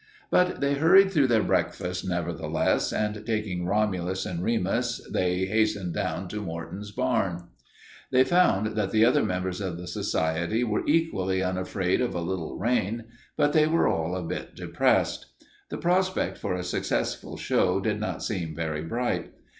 But they hurried through their breakfast, nevertheless, and taking Romulus and Remus they hastened down to Morton's barn. They found that the other members of the society were equally unafraid of a little rain, but they were all a bit depressed. The prospect for a successful show did not seem very bright.